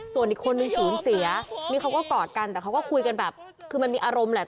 ส่วนอีกคนนึงศูนย์เสียนี่เขาก็กอดกันแต่เขาก็คุยกันแบบคือมันมีอารมณ์แหละ